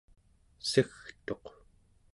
segtuq